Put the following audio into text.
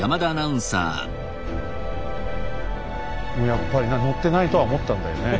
やっぱりな乗ってないとは思ったんだよね